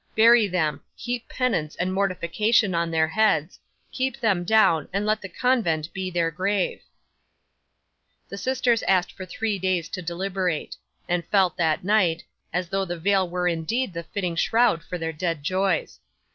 Bury them, heap penance and mortification on their heads, keep them down, and let the convent be their grave!" 'The sisters asked for three days to deliberate; and felt, that night, as though the veil were indeed the fitting shroud for their dead joys.